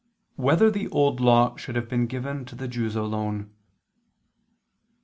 4] Whether the Old Law Should Have Been Given to the Jews Alone?